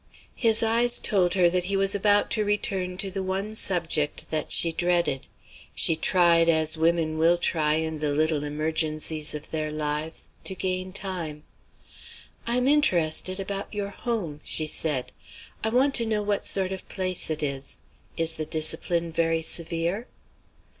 His eyes told her that he was about to return to the one subject that she dreaded. She tried as women will try, in the little emergencies of their lives to gain time. "I am interested about your Home," she said: "I want to know what sort of place it is. Is the discipline very severe?"